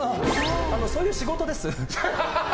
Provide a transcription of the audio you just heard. あ、そういう仕事です。